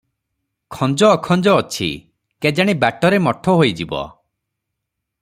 ଖଂଜ ଅଖଂଜ ଅଛି, କେଜାଣି ବାଟରେ ମଠ ହୋଇଯିବ ।